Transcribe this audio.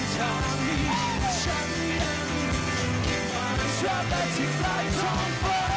เซอร์ไพรส์มือมือเฮ้ย